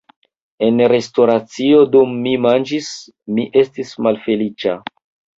En restoracio dum mi manĝis, mi estis malfeliĉa.